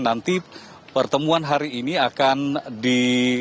nanti pertemuan hari ini akan di